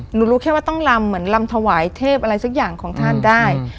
หนูรู้แค่ว่าต้องลำเหมือนลำถวายเทพอะไรสักอย่างของท่านได้